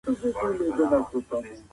زه به سبا د ورزش کولو تمرين وکړم.